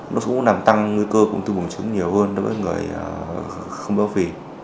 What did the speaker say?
nó cũng làm tăng nguy cơ của ung thư buồng trứng nhiều hơn với người không béo phì